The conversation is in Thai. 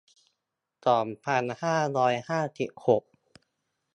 สองพันห้าร้อยห้าสิบหก